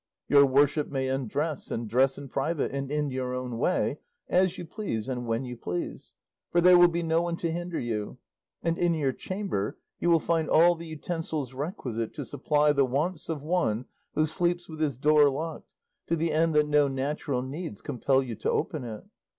Your worship may undress and dress in private and in your own way, as you please and when you please, for there will be no one to hinder you; and in your chamber you will find all the utensils requisite to supply the wants of one who sleeps with his door locked, to the end that no natural needs compel you to open it.